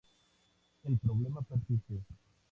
El problema persiste.